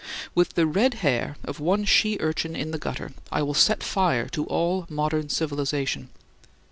With the red hair of one she urchin in the gutter I will set fire to all modern civilization.